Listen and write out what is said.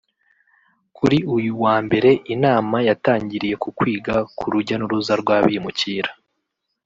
Kuri uyu wambere inama yatangiriye ku kwiga ku rujya n’uruza rw’abimukira